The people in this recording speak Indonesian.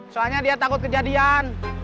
soalnya dia takut kejadian